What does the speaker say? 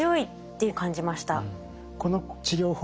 この治療法